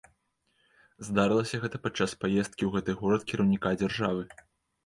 Здарылася гэта падчас паездкі ў гэты горад кіраўніка дзяржавы.